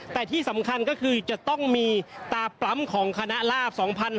แต่ที่สำคัญก็คือจะต้องมีตาปล้ำของคณะลาบ๒๕๖๒